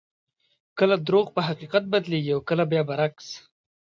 کله درواغ په حقیقت بدلېږي او کله بیا برعکس.